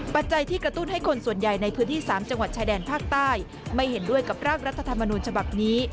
ปัจจัยที่กระตุ้นให้คนส่วนใหญ่ในพื้นที่๓จังหวัดชายแดนภาคใต้ไม่เห็นด้วยกับร่างรัฐธรรมนูญฉบับนี้